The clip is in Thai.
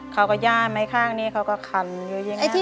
เขาก็ย่าไม้ข้างนี้เขาก็ขันอยู่อย่างนั้น